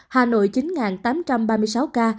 hà nội chín tám trăm ba mươi sáu ca